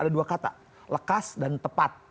ada dua kata lekas dan tepat